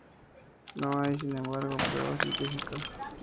No hay sin embargo un prueba científica.